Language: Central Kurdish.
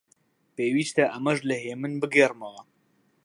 پێویستە ئەمەش لە هێمن بگێڕمەوە: